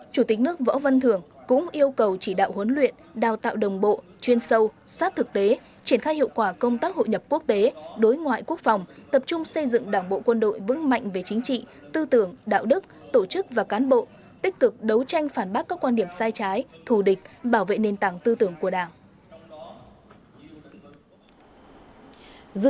chủ tịch nước võ văn thường cũng yêu cầu chỉ đạo huấn luyện đào tạo đồng bộ chuyên sâu sát thực tế triển khai hiệu quả công tác hội nhập quốc tế đối ngoại quốc phòng tập trung xây dựng đảng bộ quân đội vững mạnh về chính trị tư tưởng đạo đức tổ chức và cán bộ tích cực đấu tranh phản bác các quan điểm sai trái thù địch bảo vệ nền tảng tư tưởng của đảng